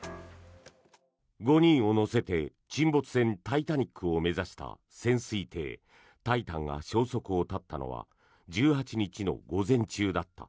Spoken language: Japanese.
５人を乗せて沈没船「タイタニック」を目指した潜水艇「タイタン」が消息を絶ったのは１８日の午前中だった。